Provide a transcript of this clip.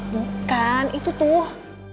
bukan itu tuh